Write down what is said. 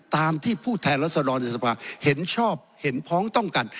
ตามที่ผู้แทนรัศดรในสภาเห็นชอบเห็นพ้องต้องกัน